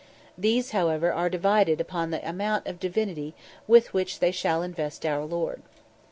These, however, are divided upon the amount of divinity with which they shall invest our Lord.